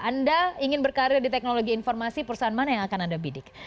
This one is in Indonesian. anda ingin berkarir di teknologi informasi perusahaan mana yang akan anda bidik